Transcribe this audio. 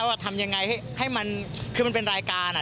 ว่าทำยังไงให้มันคือมันเป็นรายการ